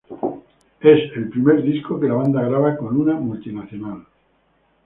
Es el primer disco que la banda graba con una multinacional.